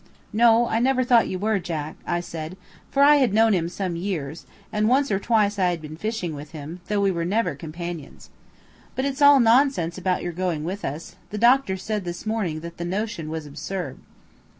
"No, I never thought you were, Jack," I said, for I had known him for some years, and once or twice I had been fishing with him, though we were never companions. "But it's all nonsense about your going with us. The doctor said this morning that the notion was absurd."